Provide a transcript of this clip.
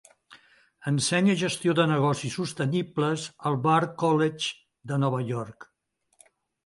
Ensenya gestió de negocis sostenibles al Bard College de Nova York.